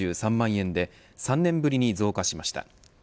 円で３年ぶりに増加しました。